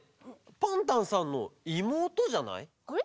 パンタンさんのいもうとじゃない？